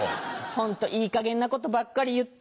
ホントいいかげんなことばっかり言って。